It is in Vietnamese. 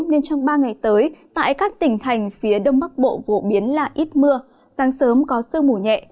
nên trong ba ngày tới tại các tỉnh thành phía đông bắc bộ phổ biến là ít mưa sáng sớm có sương mù nhẹ